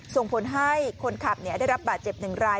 ส่งผลให้คนขับได้รับบาดเจ็บ๑ราย